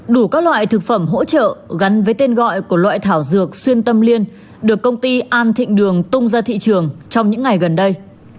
đủ các loại thực phẩm hỗ trợ gắn với tên gọi của loại thảo dược xuyên tâm liên được công ty an thịnh đường tung ra thị trường trong những ngày gần đây